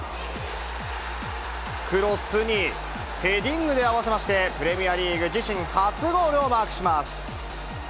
クロスにヘディングで合わせまして、プレミアリーグ自身初ゴールをマークします。